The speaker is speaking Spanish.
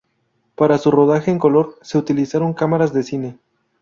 Para su rodaje en color, se utilizaron cámaras de cine.